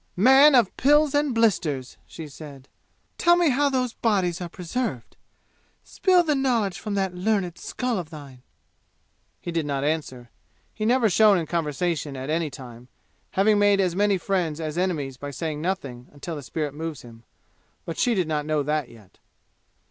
"Man of pills and blisters!" she said, "tell me how those bodies are preserved! Spill knowledge from that learned skull of thine!" He did not answer. He never shone in conversation at any time, having made as many friends as enemies by saying nothing until the spirit moves him. But she did not know that yet.